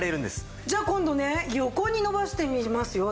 じゃあ今度ね横に伸ばしてみますよ。